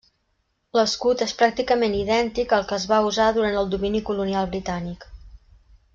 L'escut és pràcticament idèntic al que es va usar durant el domini colonial britànic.